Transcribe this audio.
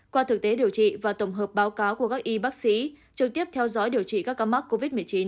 qua thực tế điều trị và tổng hợp báo cáo của các y bác sĩ trực tiếp theo dõi điều trị các ca mắc covid một mươi chín